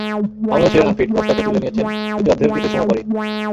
মামুনুল ছিলেন unfit, coach তাকে তুলে নিয়েছেন দ্বিতীয়ার্ধের কিছু সময় পরই।